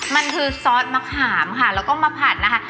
มันคือซอสมะขามค่ะแล้วก็มาผัดนะคะ